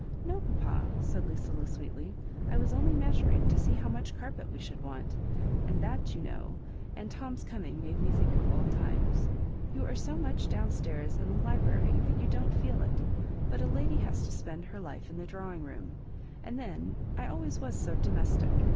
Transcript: ^" No, papa," «aid Lucilla, sweetly ;" 1 was only measuring to see how much carpet we should want ; and that, you know, and Tom's coming, made me think of old times. You are .80 much down stairs in the library that you don't feel it ; but a lady has to spend her life in the drawing room — and then I always was so domes tic.